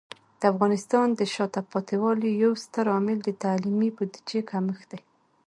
د افغانستان د شاته پاتې والي یو ستر عامل د تعلیمي بودیجه کمښت دی.